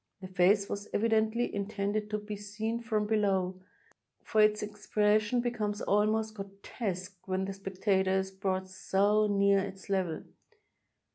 The face was e\adently intended to be seen from below, for its expres sion becomes almost grotesque when the spectator is brought so near its level.